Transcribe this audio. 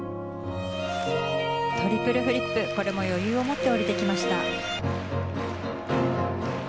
トリプルフリップこれも余裕を持って降りてきました。